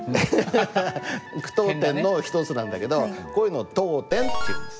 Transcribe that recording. ハハハハ句読点の一つなんだけどこういうのを「読点」っていうんです。